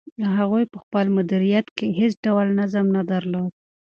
هغوی په خپل مدیریت کې هیڅ ډول نظم نه درلود.